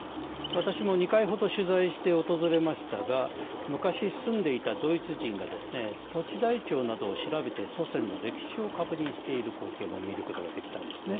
私も２回ほど取材して訪れましたが昔、住んでいたドイツ人が土地台帳などを調べて祖先の歴史を確認している光景も見ることができたんですね。